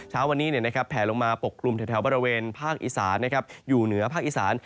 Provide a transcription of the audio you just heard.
เช้าวันนี้แผลลงมาปกกลุ่มแถวบริเวณภาคอีสานอยู่เหนือภาคอีสาน